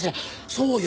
そうよ！